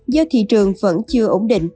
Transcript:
do thị trường vẫn chưa ổn định